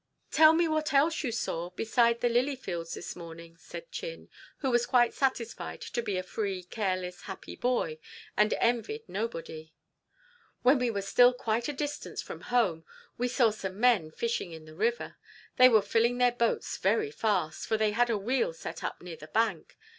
"Tell me what else you saw beside the lily fields this morning," said Chin, who was quite satisfied to be a free, careless, happy boy, and envied nobody. "When we were still quite a distance from home, we saw some men fishing in the river. They were filling their boats very fast, for they had a wheel set up near the bank.